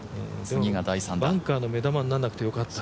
バンカーの目玉にならなくて良かった。